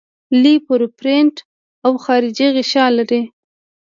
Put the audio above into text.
لیپوپروټین او خارجي غشا لري.